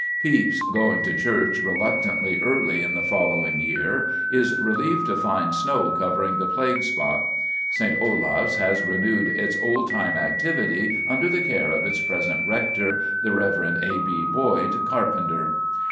Pepys, going to church reluctantly early in the following year, is relieved to find snow covering the plague spot. St. Olave's has renewed its old time activity under the care of its present rector, the Rev. A. B. Boyd Carpenter.